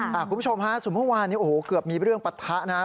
คุณผู้ชมฮะสุดท้ายเกือบมีเรื่องปัททะนะฮะ